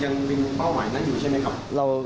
ยังมีเป้าหมายนั้นอยู่ใช่ไหมครับ